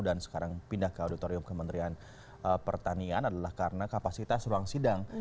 dan sekarang pindah ke auditorium kementerian pertanian adalah karena kapasitas ruang sidang